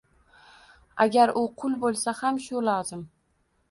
Agar u qul bo'lsa ham shu lozim.